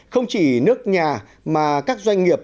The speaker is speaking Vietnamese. không chỉ nước nhà mà các doanh nghiệp